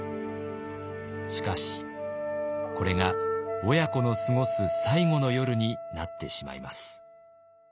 しかしこれが親子の過ごす最後の夜になってしまいます。